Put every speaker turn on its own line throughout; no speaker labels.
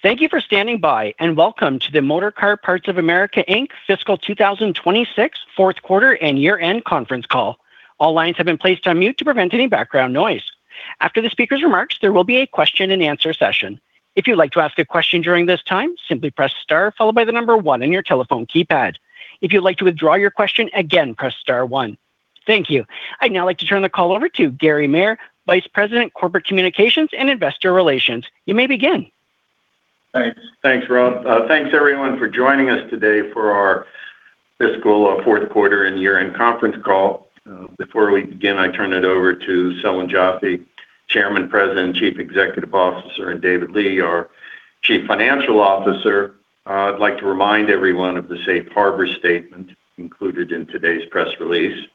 Thank you for standing by, and welcome to the Motorcar Parts of America, Inc. Fiscal 2026 fourth quarter and year-end conference call. All lines have been placed on mute to prevent any background noise. After the speaker's remarks, there will be a question and answer session. If you'd like to ask a question during this time, simply press star followed by the number one on your telephone keypad. If you'd like to withdraw your question, again, press star one. Thank you. I'd now like to turn the call over to Gary Maier, Vice President, Corporate Communications and Investor Relations. You may begin.
Thanks. Thanks, Rob. Thanks, everyone, for joining us today for our fiscal fourth quarter and year-end conference call. Before we begin, I turn it over to Selwyn Joffe, Chairman, President, Chief Executive Officer, and David Lee, our Chief Financial Officer. I'd like to remind everyone of the safe harbor statement included in today's press release.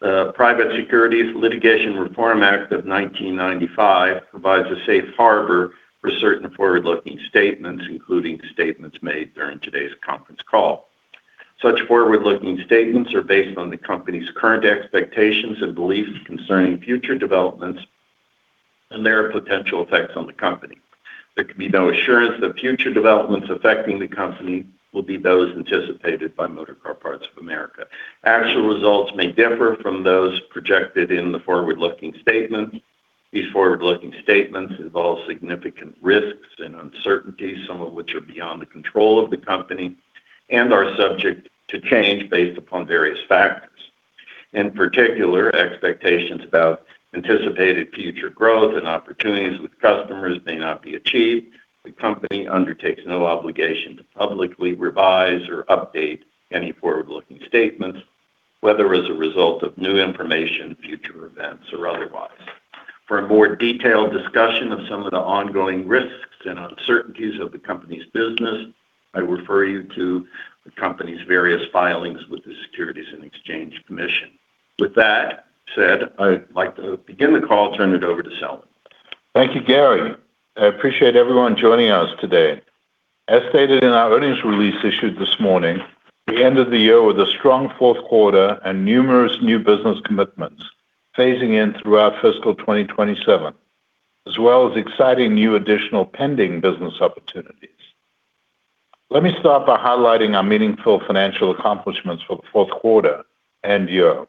The Private Securities Litigation Reform Act of 1995 provides a safe harbor for certain forward-looking statements, including statements made during today's conference call. Such forward-looking statements are based on the company's current expectations and beliefs concerning future developments and their potential effects on the company. There can be no assurance that future developments affecting the company will be those anticipated by Motorcar Parts of America. Actual results may differ from those projected in the forward-looking statements. These forward-looking statements involve significant risks and uncertainties, some of which are beyond the control of the company and are subject to change based upon various factors. In particular, expectations about anticipated future growth and opportunities with customers may not be achieved. The company undertakes no obligation to publicly revise or update any forward-looking statements, whether as a result of new information, future events, or otherwise. For a more detailed discussion of some of the ongoing risks and uncertainties of the company's business, I refer you to the company's various filings with the Securities and Exchange Commission. With that said, I'd like to begin the call, turn it over to Selwyn.
Thank you, Gary. I appreciate everyone joining us today. As stated in our earnings release issued this morning, we ended the year with a strong fourth quarter and numerous new business commitments phasing in through our fiscal 2027, as well as exciting new additional pending business opportunities. Let me start by highlighting our meaningful financial accomplishments for the fourth quarter and year.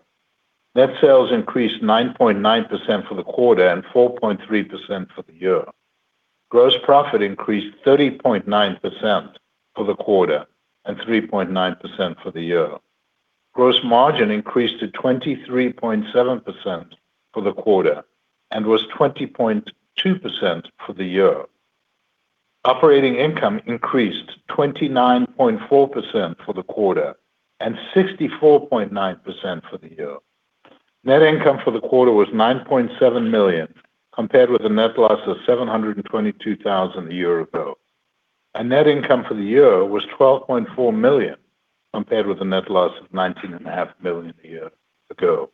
Net sales increased 9.9% for the quarter and 4.3% for the year. Gross profit increased 30.9% for the quarter and 3.9% for the year. Gross margin increased to 23.7% for the quarter and was 20.2% for the year. Operating income increased 29.4% for the quarter and 64.9% for the year. Net income for the quarter was $9.7 million, compared with a net loss of $722,000 a year ago. Net income for the year was $12.4 million, compared with a net loss of $19.5 million a year ago.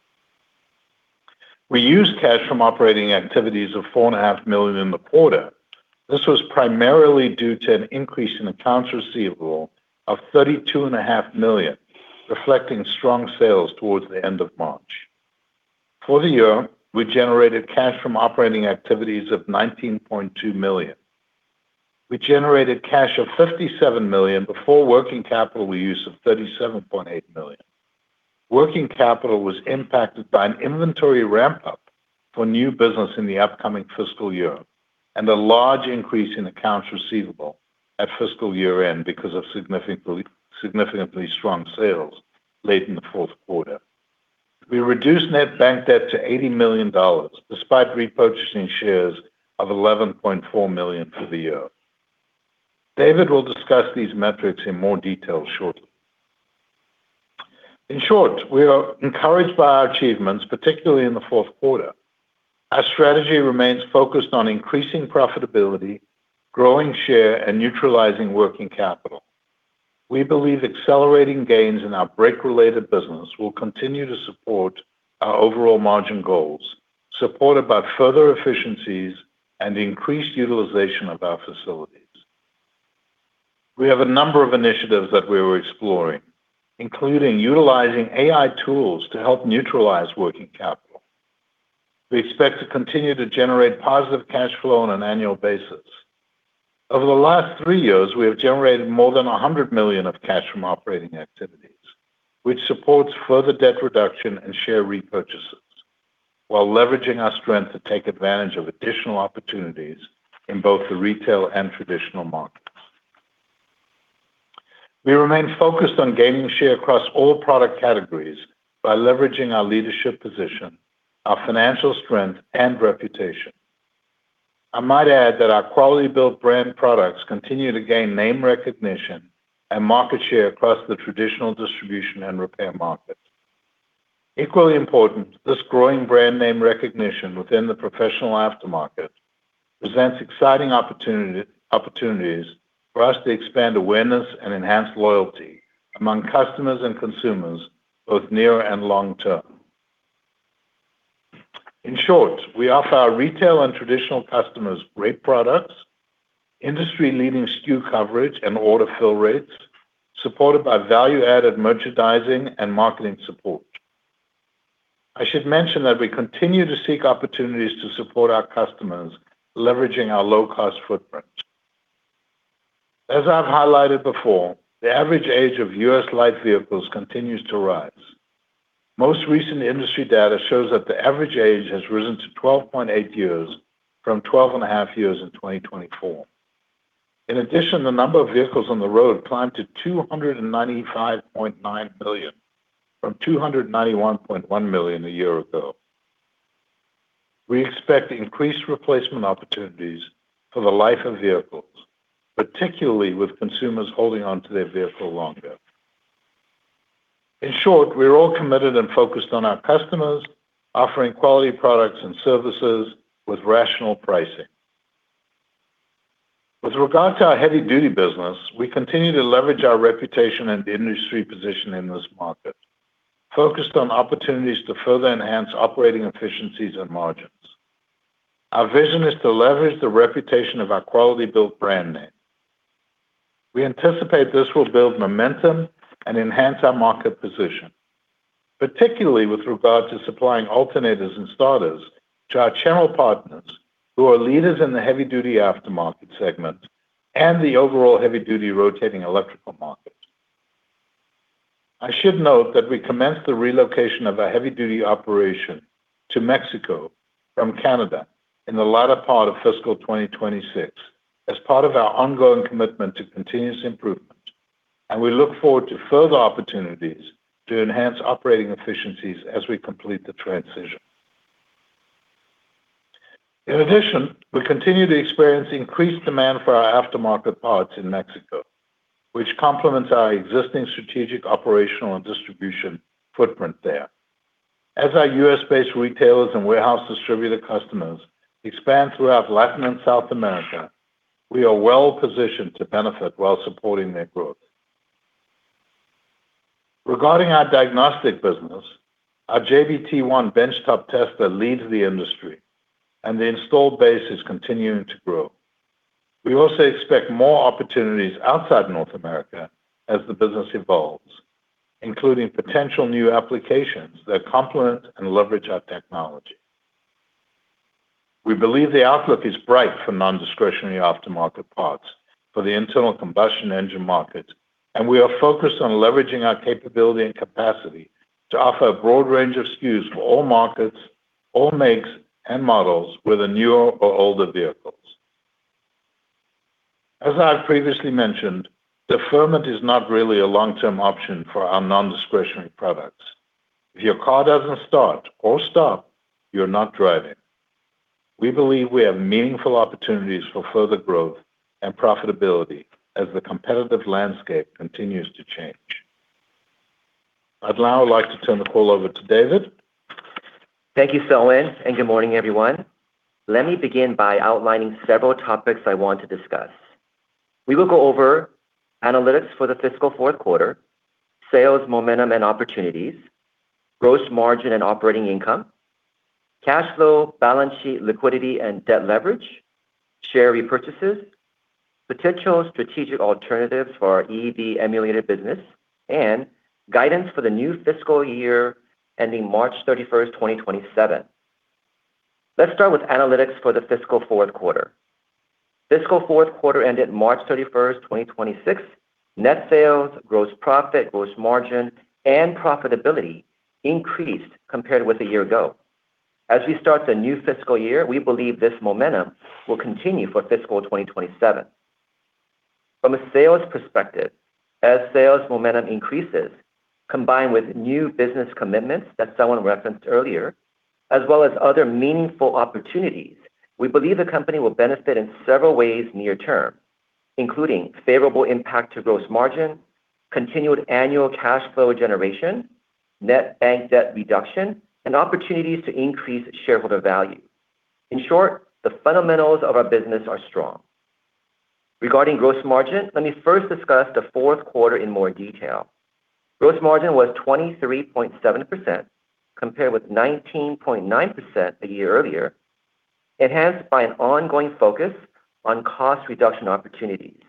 We used cash from operating activities of $4.5 million in the quarter. This was primarily due to an increase in accounts receivable of $32.5 million, reflecting strong sales towards the end of March. For the year, we generated cash from operating activities of $19.2 million. We generated cash of $57 million before working capital we used of $37.8 million. Working capital was impacted by an inventory ramp-up for new business in the upcoming fiscal year and a large increase in accounts receivable at fiscal year-end because of significantly strong sales late in the fourth quarter. We reduced net bank debt to $80 million, despite repurchasing shares of $11.4 million for the year. David will discuss these metrics in more detail shortly. In short, we are encouraged by our achievements, particularly in the fourth quarter. Our strategy remains focused on increasing profitability, growing share, and neutralizing working capital. We believe accelerating gains in our Brake-Related business will continue to support our overall margin goals, supported by further efficiencies and increased utilization of our facilities. We have a number of initiatives that we are exploring, including utilizing AI tools to help neutralize working capital. We expect to continue to generate positive cash flow on an annual basis. Over the last three years, we have generated more than $100 million of cash from operating activities, which supports further debt reduction and share repurchases while leveraging our strength to take advantage of additional opportunities in both the retail and traditional markets. We remain focused on gaining share across all product categories by leveraging our leadership position, our financial strength, and reputation. I might add that our Quality-Built brand products continue to gain name recognition and market share across the traditional distribution and repair markets. Equally important, this growing brand name recognition within the professional aftermarket presents exciting opportunities for us to expand awareness and enhance loyalty among customers and consumers, both near and long-term. In short, we offer our retail and traditional customers great products, industry-leading SKU coverage, and order fill rates supported by value-added merchandising and marketing support. I should mention that we continue to seek opportunities to support our customers, leveraging our low-cost footprint. As I've highlighted before, the average age of U.S. light vehicles continues to rise. Most recent industry data shows that the average age has risen to 12.8 years from 12.5 years in 2024. In addition, the number of vehicles on the road climbed to 295.9 million from 291.1 million a year ago. We expect increased replacement opportunities for the life of vehicles, particularly with consumers holding onto their vehicle longer. In short, we are all committed and focused on our customers offering quality products and services with rational pricing. With regard to our Heavy-Duty business, we continue to leverage our reputation and industry position in this market, focused on opportunities to further enhance operating efficiencies and margins. Our vision is to leverage the reputation of our Quality-Built brand name. We anticipate this will build momentum and enhance our market position, particularly with regard to supplying alternators and starters to our channel partners, who are leaders in the Heavy-Duty aftermarket segment and the overall Heavy-Duty rotating electrical market. I should note that we commenced the relocation of our heavy-duty operation to Mexico from Canada in the latter part of fiscal 2026 as part of our ongoing commitment to continuous improvement. We look forward to further opportunities to enhance operating efficiencies as we complete the transition. In addition, we continue to experience increased demand for our aftermarket parts in Mexico, which complements our existing strategic, operational, and distribution footprint there. As our U.S.-based retailers and warehouse distributor customers expand throughout Latin and South America, we are well-positioned to benefit while supporting their growth. Regarding our Diagnostic business, our JBT-1 benchtop tester leads the industry, and the installed base is continuing to grow. We also expect more opportunities outside North America as the business evolves, including potential new applications that complement and leverage our technology. We believe the outlook is bright for non-discretionary aftermarket parts for the internal combustion engine market. We are focused on leveraging our capability and capacity to offer a broad range of SKUs for all markets, all makes and models, whether newer or older vehicles. As I previously mentioned, deferment is not really a long-term option for our non-discretionary products. If your car doesn't start or stop, you're not driving. We believe we have meaningful opportunities for further growth and profitability as the competitive landscape continues to change. I'd now like to turn the call over to David.
Thank you, Selwyn, and good morning, everyone. Let me begin by outlining several topics I want to discuss. We will go over analytics for the fiscal fourth quarter, sales momentum and opportunities, gross margin and operating income, cash flow, balance sheet liquidity and debt leverage, share repurchases, potential strategic alternatives for our EV Emulator business, and guidance for the new fiscal year ending March 31st, 2027. Let's start with analytics for the fiscal fourth quarter. Fiscal fourth quarter ended March 31st, 2026. Net sales, gross profit, gross margin, and profitability increased compared with a year ago. As we start the new fiscal year, we believe this momentum will continue for fiscal 2027. From a sales perspective, as sales momentum increases, combined with new business commitments that Selwyn referenced earlier, as well as other meaningful opportunities, we believe the company will benefit in several ways near-term, including favorable impact to gross margin, continued annual cash flow generation, net bank debt reduction, and opportunities to increase shareholder value. In short, the fundamentals of our business are strong. Regarding gross margin, let me first discuss the fourth quarter in more detail. Gross margin was 23.7%, compared with 19.9% a year earlier, enhanced by an ongoing focus on cost reduction opportunities.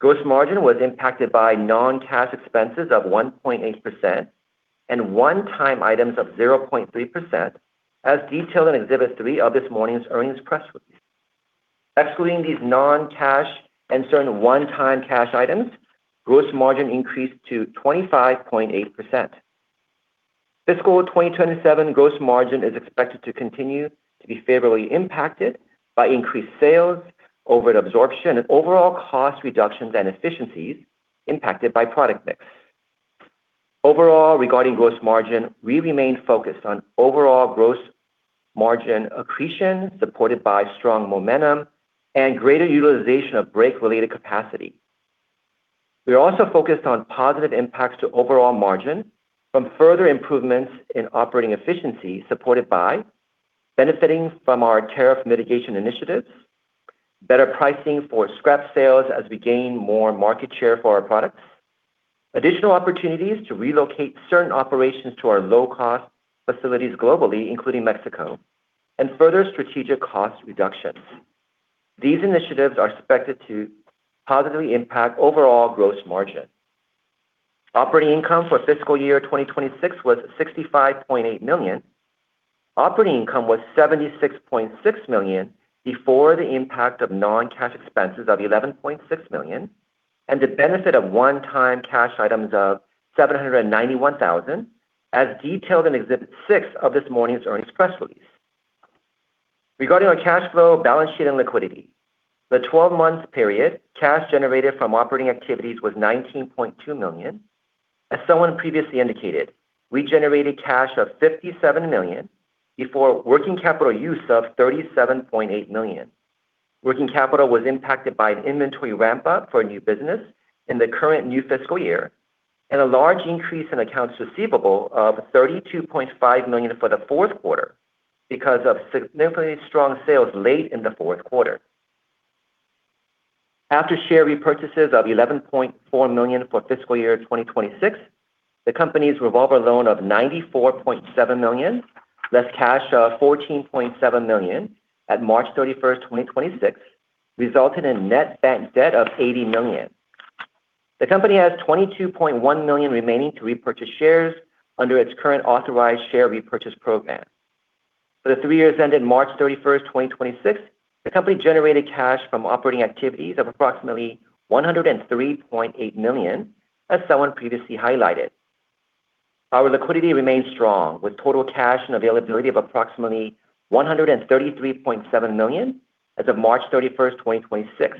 Gross margin was impacted by non-cash expenses of 1.8% and one-time items of 0.3%, as detailed in Exhibit 3 of this morning's earnings press release. Excluding these non-cash and certain one-time cash items, gross margin increased to 25.8%. Fiscal 2027 gross margin is expected to continue to be favorably impacted by increased sales over absorption and overall cost reductions and efficiencies impacted by product mix. Overall, regarding gross margin, we remain focused on overall gross margin accretion supported by strong momentum and greater utilization of brake-related capacity. We are also focused on positive impacts to overall margin from further improvements in operating efficiency supported by benefiting from our tariff mitigation initiatives, better pricing for scrap sales as we gain more market share for our products, additional opportunities to relocate certain operations to our low-cost facilities globally, including Mexico, and further strategic cost reductions. These initiatives are expected to positively impact overall gross margin. Operating income for fiscal year 2026 was $65.8 million. Operating income was $76.6 million before the impact of non-cash expenses of $11.6 million and the benefit of one-time cash items of $791,000, as detailed in Exhibit 6 of this morning's earnings press release. Regarding our cash flow, balance sheet, and liquidity, the 12-month period cash generated from operating activities was $19.2 million. As someone previously indicated, we generated cash of $57 million before working capital use of $37.8 million. Working capital was impacted by an inventory ramp-up for a new business in the current new fiscal year and a large increase in accounts receivable of $32.5 million for the fourth quarter because of significantly strong sales late in the fourth quarter. After share repurchases of $11.4 million for fiscal year 2026, the company's revolver loan of $94.7 million, less cash of $14.7 million at March 31st, 2026, resulted in net bank debt of $80 million. The company has $22.1 million remaining to repurchase shares under its current authorized share repurchase program. For the three years ending March 31st, 2026, the company generated cash from operating activities of approximately $103.8 million, as someone previously highlighted. Our liquidity remains strong, with total cash and availability of approximately $133.7 million as of March 31st, 2026.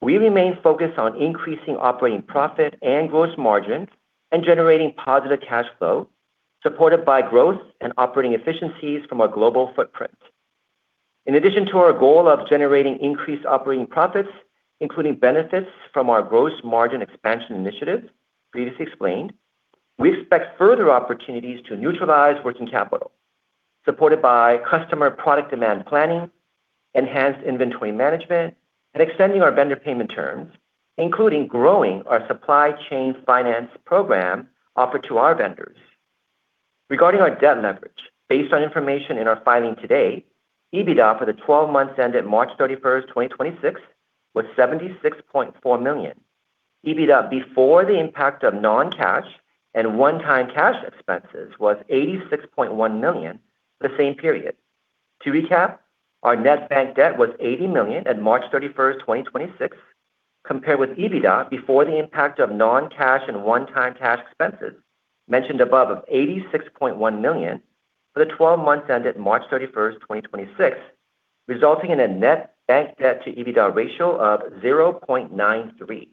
We remain focused on increasing operating profit and gross margin and generating positive cash flow, supported by growth and operating efficiencies from our global footprint. In addition to our goal of generating increased operating profits, including benefits from our gross margin expansion initiative previously explained, we expect further opportunities to neutralize working capital, supported by customer product demand planning, enhanced inventory management, and extending our vendor payment terms, including growing our supply chain finance program offered to our vendors. Regarding our debt leverage, based on information in our filing today, EBITDA for the 12 months ending March 31, 2026, was $76.4 million. EBITDA before the impact of non-cash and one-time cash expenses was $86.1 million the same period. To recap, our net bank debt was $80 million at March 31, 2026, compared with EBITDA before the impact of non-cash and one-time cash expenses mentioned above of $86.1 million for the 12 months ended March 31, 2026, resulting in a net bank debt to EBITDA ratio of 0.93.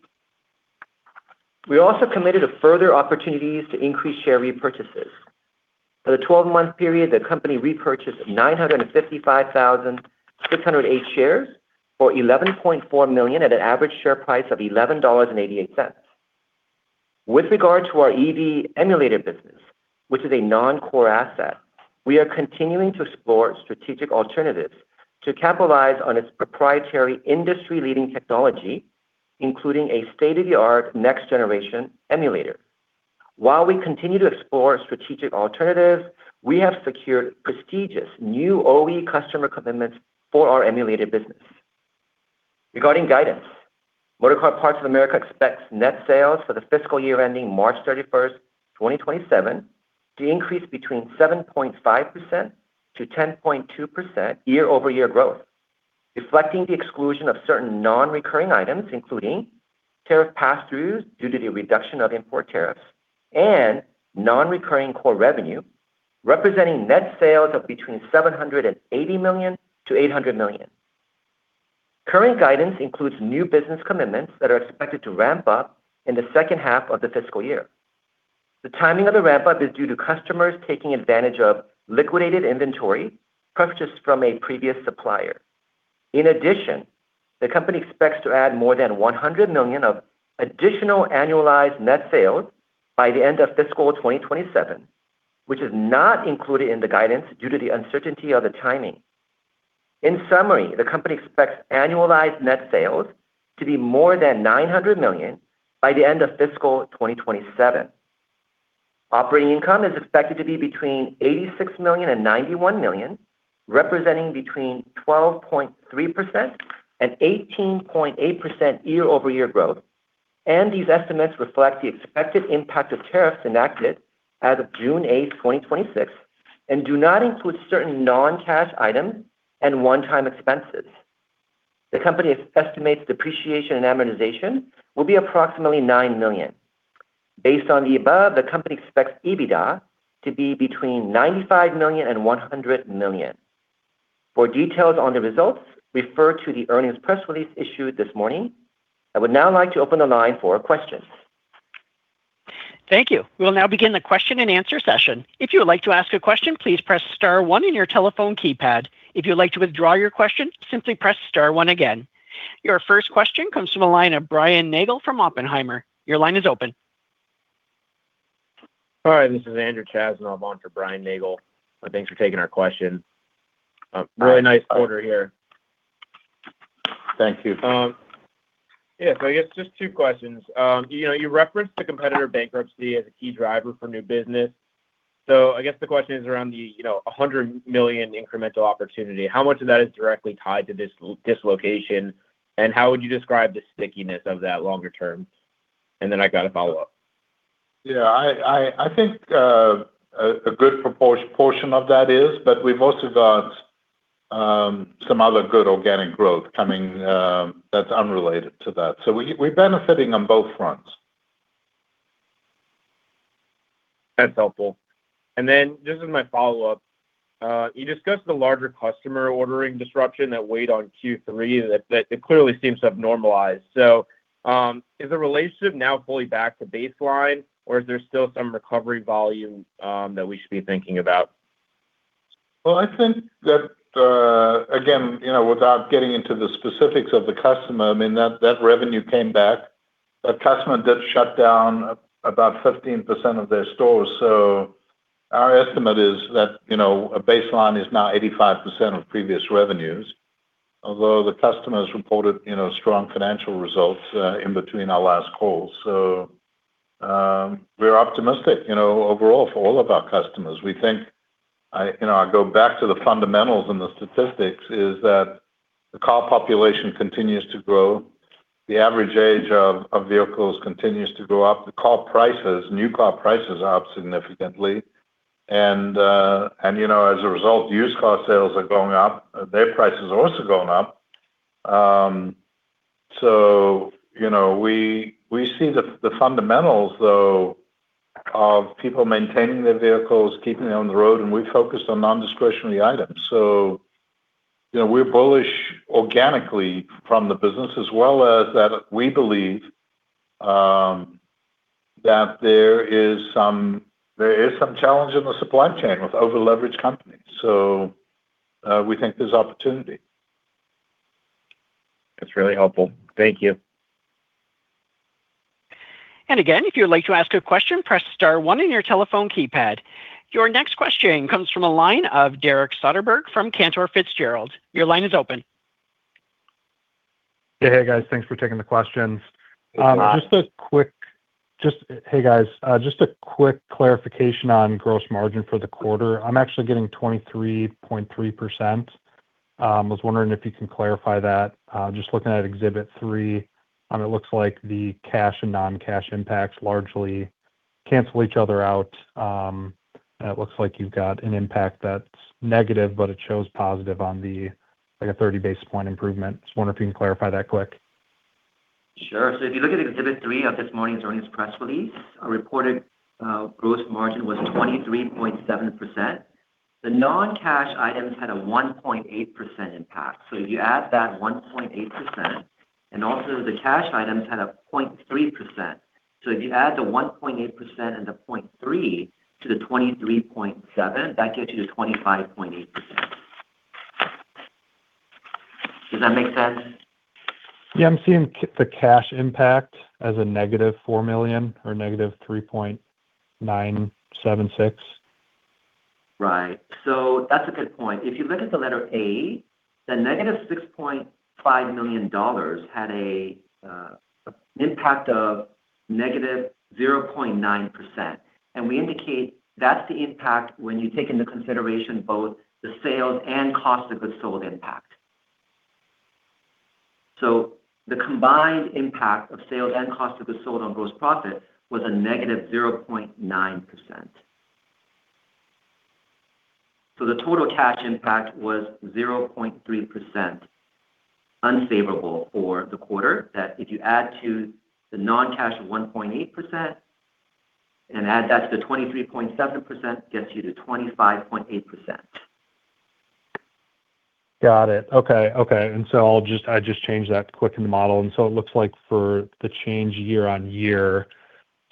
We also committed to further opportunities to increase share repurchases. For the 12-month period, the company repurchased 955,608 shares or $11.4 million at an average share price of $11.88. With regard to our EV Emulator business, which is a non-core asset, we are continuing to explore strategic alternatives to capitalize on its proprietary industry-leading technology, including a state-of-the-art next-generation emulator. While we continue to explore strategic alternatives, we have secured prestigious new OE customer commitments for our Emulator business. Regarding guidance, Motorcar Parts of America expects net sales for the fiscal year ending March 31, 2027, to increase between 7.5%-10.2% year-over-year growth, reflecting the exclusion of certain non-recurring items, including tariff passthroughs due to the reduction of import tariffs and non-recurring core revenue, representing net sales of between $780 million-$800 million. Current guidance includes new business commitments that are expected to ramp up in the second half of the fiscal year. The timing of the ramp-up is due to customers taking advantage of liquidated inventory purchased from a previous supplier. In addition, the company expects to add more than $100 million of additional annualized net sales by the end of fiscal 2027, which is not included in the guidance due to the uncertainty of the timing. In summary, the company expects annualized net sales to be more than $900 million by the end of fiscal 2027. Operating income is expected to be between $86 million and $91 million, representing between 12.3% and 18.8% year-over-year growth, and these estimates reflect the expected impact of tariffs enacted as of June 8, 2026, and do not include certain non-cash items and one-time expenses. The company estimates depreciation and amortization will be approximately $9 million. Based on the above, the company expects EBITDA to be between $95 million and $100 million. For details on the results, refer to the earnings press release issued this morning. I would now like to open the line for questions.
Thank you. We will now begin the question and answer session. If you would like to ask a question, please press star one on your telephone keypad. If you would like to withdraw your question, simply press star one again. Your first question comes from the line of Brian Nagel from Oppenheimer. Your line is open.
All right. This is Andrew Chasanoff. I'm on for Brian Nagel. Thanks for taking our question. A really nice quarter here.
Thank you.
Yes. I guess just two questions. You referenced the competitor bankruptcy as a key driver for new business. I guess the question is around the $100 million incremental opportunity. How much of that is directly tied to this dislocation, and how would you describe the stickiness of that longer-term? I got a follow-up.
Yeah. I think a good portion of that is, but we've also got some other good organic growth coming that's unrelated to that. We're benefiting on both fronts.
That's helpful. This is my follow-up. You discussed the larger customer ordering disruption that weighed on Q3 that it clearly seems to have normalized. Is the relationship now fully back to baseline, or is there still some recovery volume that we should be thinking about?
Well, I think that, again, without getting into the specifics of the customer, I mean, that revenue came back. That customer did shut down about 15% of their stores. Our estimate is that a baseline is now 85% of previous revenues, although the customers reported strong financial results in between our last calls. We're optimistic overall for all of our customers. I go back to the fundamentals and the statistics is that the car population continues to grow. The average age of vehicles continues to go up. The car prices, new car prices are up significantly. As a result, used car sales are going up. Their prices are also going up. We see the fundamentals, though, of people maintaining their vehicles, keeping them on the road, and we're focused on nondiscretionary items. We're bullish organically from the business as well as that we believe that there is some challenge in the supply chain with over-leveraged companies. We think there's opportunity.
That's really helpful. Thank you.
Again, if you'd like to ask a question, press star one on your telephone keypad. Your next question comes from the line of Derek Soderberg from Cantor Fitzgerald. Your line is open.
Hey, guys. Thanks for taking the questions.
Hi.
Hey, guys. Just a quick clarification on gross margin for the quarter. I'm actually getting 23.3%. I was wondering if you can clarify that. Just looking at exhibit three, it looks like the cash and non-cash impacts largely cancel each other out. It looks like you've got an impact that's negative, but it shows positive on the, like a 30 basis point improvement. Just wonder if you can clarify that quick.
Sure. If you look at exhibit three of this morning's earnings press release, our reported gross margin was 23.7%. The non-cash items had a 1.8% impact. You add that 1.8%, and also the cash items had a 0.3%. If you add the 1.8% and the 0.3% to the 23.7%, that gets you to 25.8%. Does that make sense?
Yeah, I'm seeing the cash impact as a -$4 million or -$3.976 million.
Right. That's a good point. If you look at the letter A, the -$6.5 million had an impact of -0.9%. We indicate that's the impact when you take into consideration both the sales and cost of goods sold impact. The combined impact of sales and cost of goods sold on gross profit was a -0.9%. The total cash impact was 0.3% unfavorable for the quarter, that if you add to the non-cash of 1.8% and add that to 23.7%, gets you to 25.8%.
Got it. Okay. I just changed that quick in the model, and it looks like for the change year-over-year,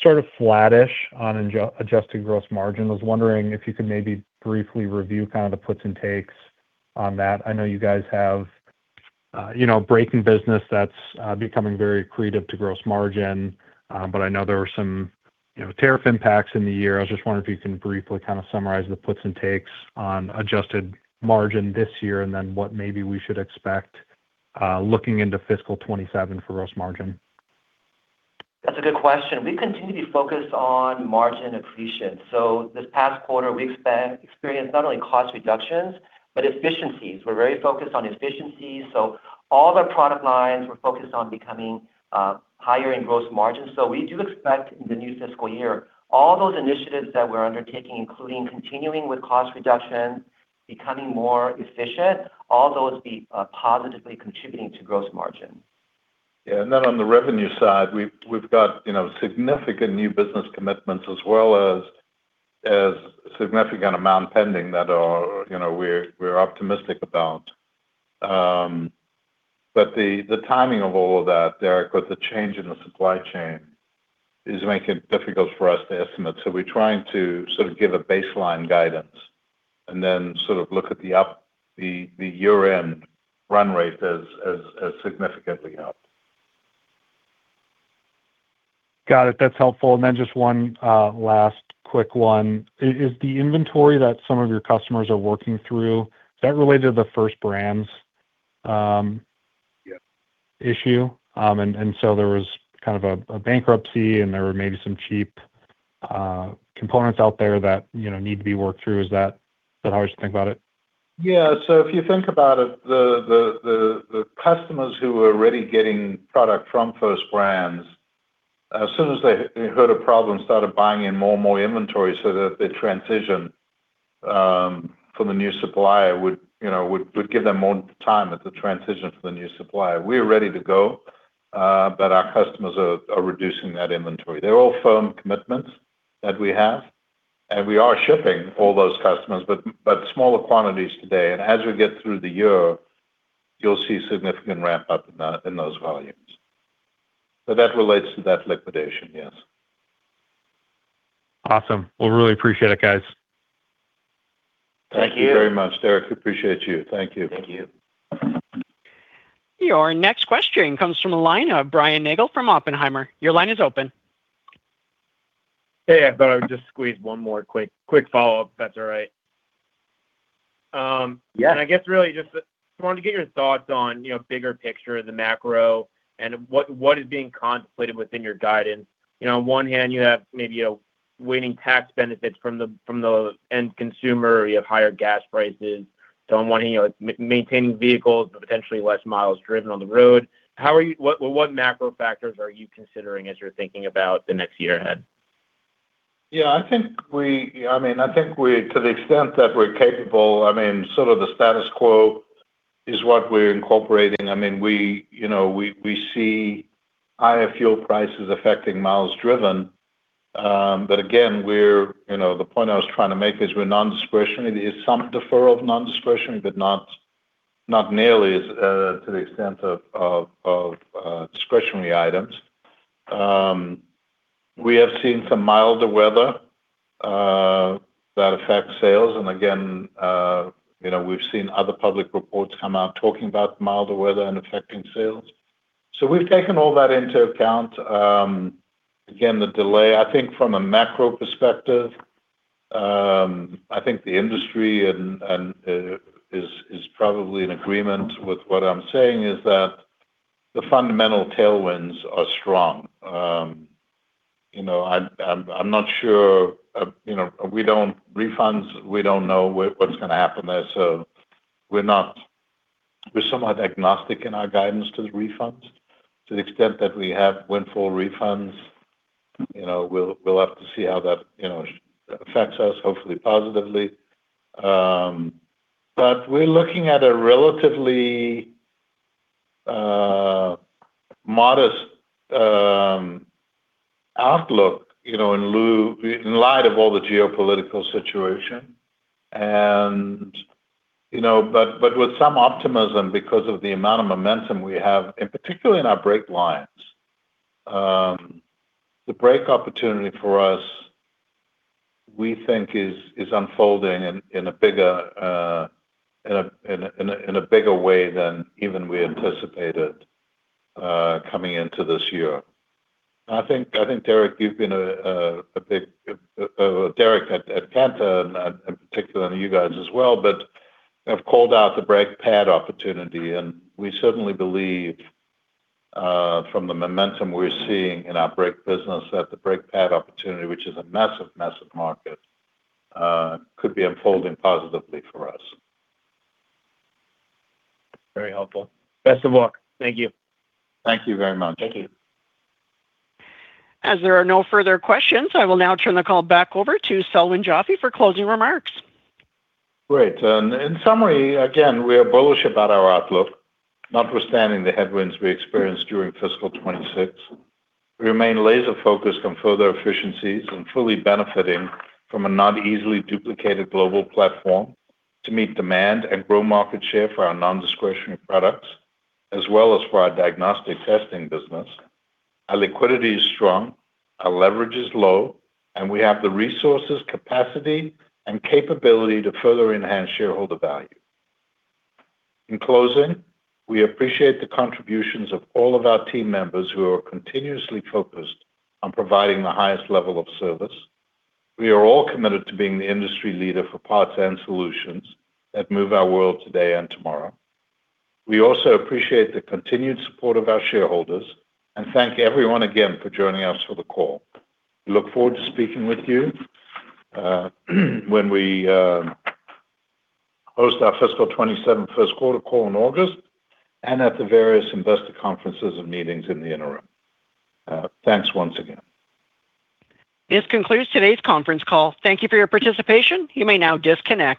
sort of flattish on adjusted gross margin. I was wondering if you could maybe briefly review kind of the puts and takes on that. I know you guys have brake business that's becoming very accretive to gross margin. I know there were some tariff impacts in the year. I was just wondering if you can briefly kind of summarize the puts and takes on adjusted margin this year, and then what maybe we should expect looking into fiscal 2027 for gross margin.
That's a good question. We continue to focus on margin accretion. This past quarter, we've experienced not only cost reductions, but efficiencies. We're very focused on efficiencies. All of our product lines, we're focused on becoming higher in gross margin. We do expect in the new fiscal year, all those initiatives that we're undertaking, including continuing with cost reduction, becoming more efficient, all those be positively contributing to gross margin.
Yeah. On the revenue side, we've got significant new business commitments as well as significant amount pending that we're optimistic about. The timing of all of that, Derek, with the change in the supply chain, is making it difficult for us to estimate. We're trying to sort of give a baseline guidance and then sort of look at the year-end run rate as significantly up.
Got it. That's helpful. Just one last quick one. Is the inventory that some of your customers are working through, is that related to the First Brands issue? There was kind of a bankruptcy and there were maybe some cheap components out there that need to be worked through. Is that how I should think about it?
Yeah. If you think about it, the customers who were already getting product from First Brands, as soon as they heard of problems, started buying in more and more inventory so that the transition from the new supplier would give them more time at the transition for the new supplier. We're ready to go, but our customers are reducing that inventory. They're all firm commitments that we have, and we are shipping all those customers, but smaller quantities today. As we get through the year, you'll see significant ramp-up in those volumes. That relates to that liquidation, yes.
Awesome. Really appreciate it, guys.
Thank you very much, Derek. Appreciate you. Thank you.
Thank you.
Our next question comes from the line of Brian Nagel from Oppenheimer. Your line is open.
Hey, I thought I would just squeeze one more quick follow-up, if that's all right.
Yes.
I guess really just wanted to get your thoughts on bigger picture of the macro and what is being contemplated within your guidance. On one hand, you have maybe waning tax benefits from the end consumer. You have higher gas prices. I'm wondering, maintaining vehicles, potentially less miles driven on the road. What macro factors are you considering as you're thinking about the next year ahead?
Yeah, I think to the extent that we're capable, sort of the status quo is what we're incorporating. We see higher fuel prices affecting miles driven. Again, the point I was trying to make is we're non-discretionary. It is some deferral of non-discretionary, but not nearly to the extent of discretionary items. We have seen some milder weather that affects sales. Again, we've seen other public reports come out talking about milder weather and affecting sales. We've taken all that into account. Again, the delay, I think from a macro perspective, I think the industry is probably in agreement with what I'm saying, is that the fundamental tailwinds are strong. Refunds, we don't know what's going to happen there, so we're somewhat agnostic in our guidance to the refunds. To the extent that we have windfall refunds, we'll have to see how that affects us, hopefully positively. We're looking at a relatively modest outlook in light of all the geopolitical situation. With some optimism because of the amount of momentum we have, and particularly in our brake lines. The Brake opportunity for us, we think is unfolding in a bigger way than even we anticipated coming into this year. I think, Derek, you've been a big Derek at Cantor and in particular you guys as well, but have called out the brake pad opportunity. We certainly believe from the momentum we're seeing in our Brake business that the brake pad opportunity, which is a massive market, could be unfolding positively for us.
Very helpful. Best of luck. Thank you.
Thank you very much.
Thank you.
As there are no further questions, I will now turn the call back over to Selwyn Joffe for closing remarks.
Great. In summary, again, we are bullish about our outlook, notwithstanding the headwinds we experienced during fiscal 2026. We remain laser-focused on further efficiencies and fully benefiting from a not easily duplicated global platform to meet demand and grow market share for our non-discretionary products, as well as for our Diagnostic Testing business. Our liquidity is strong, our leverage is low, and we have the resources, capacity, and capability to further enhance shareholder value. In closing, we appreciate the contributions of all of our team members who are continuously focused on providing the highest level of service. We are all committed to being the industry leader for parts and solutions that move our world today and tomorrow. We also appreciate the continued support of our shareholders and thank everyone again for joining us for the call. We look forward to speaking with you when we host our fiscal 2027 first quarter call in August and at the various investor conferences and meetings in the interim. Thanks once again.
This concludes today's conference call. Thank you for your participation. You may now disconnect